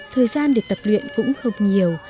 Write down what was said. thời gian được tập luyện cũng không nhiều